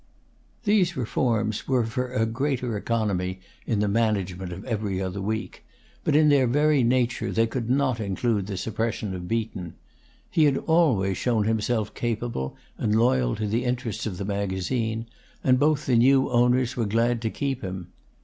These reforms were for a greater economy in the management of 'Every Other Week;' but in their very nature they could not include the suppression of Beaton. He had always shown himself capable and loyal to the interests of the magazine, and both the new owners were glad to keep him.